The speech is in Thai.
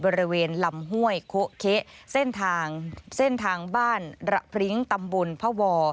บริเวณลำห้วยโขะเข๊เส้นทางบ้านระพริ้งตำบลพว